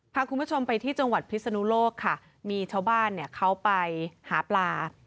พาคุณผู้ชมไปที่จังหวัดพิศนุโลกค่ะมีชาวบ้านเนี่ยเขาไปหาปลา